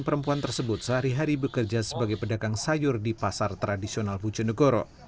perempuan tersebut sehari hari bekerja sebagai pedagang sayur di pasar tradisional bojonegoro